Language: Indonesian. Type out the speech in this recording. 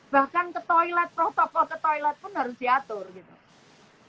bahkan ke toilet protokol ke toilet pun harus diatur gitu